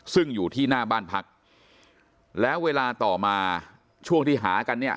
ซึ่งอยู่ที่หน้าบ้านพักแล้วเวลาต่อมาช่วงที่หากันเนี่ย